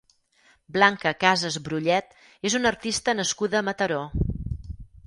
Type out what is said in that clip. Blanca Casas Brullet és una artista nascuda a Mataró.